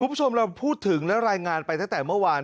คุณผู้ชมเราพูดถึงและรายงานไปตั้งแต่เมื่อวาน